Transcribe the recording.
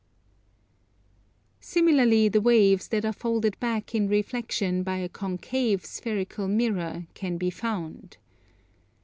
Similarly the waves that are folded back in reflexion by a concave spherical mirror can be found.